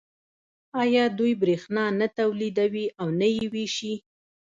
آیا دوی بریښنا نه تولیدوي او نه یې ویشي؟